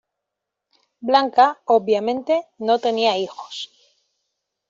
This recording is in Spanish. Blanca, obviamente, no tenía hijos.